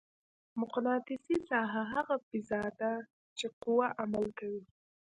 مقناطیسي ساحه هغه فضا ده چې قوه عمل کوي.